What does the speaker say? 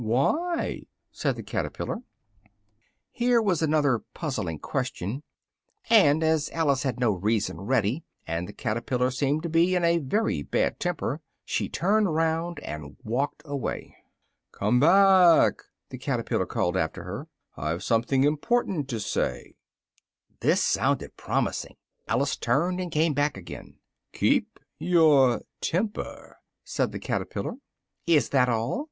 "Why?" said the caterpillar. Here was another puzzling question: and as Alice had no reason ready, and the caterpillar seemed to be in a very bad temper, she turned round and walked away. "Come back!" the caterpillar called after her, "I've something important to say!" This sounded promising: Alice turned and came back again. "Keep your temper," said the caterpillar. "Is that all?"